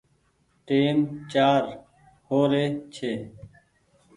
ٽيم چآر هو ري ڇي